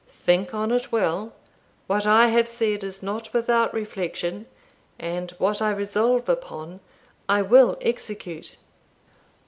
Think on it well: what I have said is not without reflection, and what I resolve upon I will execute."